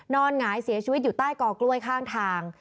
หงายเสียชีวิตอยู่ใต้กอกล้วยข้างทาง